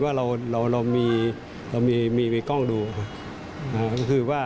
ว่าเรามีกล้องดู